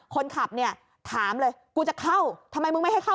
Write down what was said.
คนขับเนี่ยถามเลยกูจะเข้าทำไมมึงไม่ให้เข้า